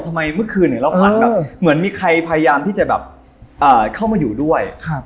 ทำไมเมื่อคืนเหมือนมีใครพยายามที่จะเข้ามาอยู่ด้วย